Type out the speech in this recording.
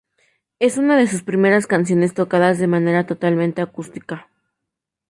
Es una de sus primeras canciones tocadas de manera totalmente acústica.